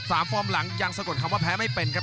ฟอร์มหลังยังสะกดคำว่าแพ้ไม่เป็นครับ